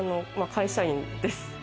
会社員です。